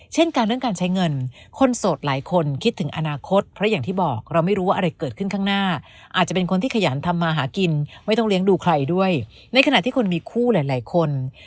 เช่นการเรื่องการใช้เงิน